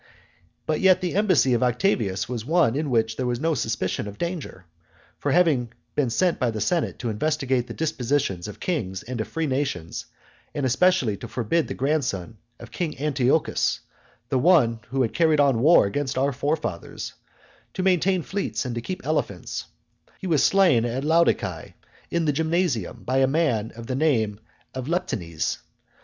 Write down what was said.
But yet the embassy of Octavius was one in which there was no suspicion of danger. For having been sent by the senate to investigate the dispositions of kings and of free nations, and especially to forbid the grandson of king Antiochus, the one who had carried on war against our forefathers, to maintain fleets and to keep elephants, he was slain at Laodicea, in the gymnasium, by a man of the name of Leptines.